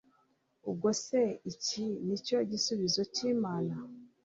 ubwo se iki nicyo gisubizo cy'imana